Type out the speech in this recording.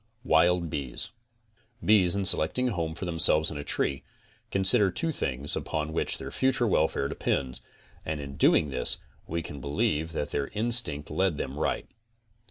WILD BEES Bees in selecting a home for themselves in a tree, consider two things upon which their future welfare depends, and in doing this we can believe that their instinct led them right.